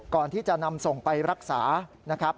ก่อนที่จะนำส่งไปรักษานะครับ